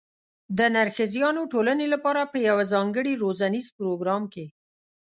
د نرښځیانو ټولنې لپاره په یوه ځانګړي روزنیز پروګرام کې